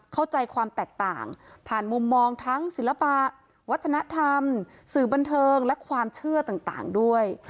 เข้าใจความแตกต่างผ่านมุมมองทั้งศิลปะวัฒนธรรมสื่อบันเทิงและความเชื่อต่างด้วย